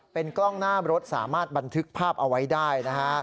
เป็นกล้องหน้ารถสามารถบันทึกภาพเอาไว้ได้นะฮะ